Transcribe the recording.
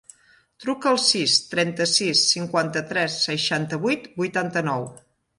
Truca al sis, trenta-sis, cinquanta-tres, seixanta-vuit, vuitanta-nou.